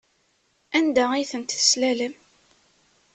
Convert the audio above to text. Anda ay tent-teslalem?